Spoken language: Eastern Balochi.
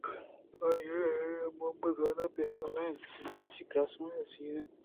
اَلی مھمد زاناں بے ھال انت کہ مرچی کاسم ءِ سِیر اِنت؟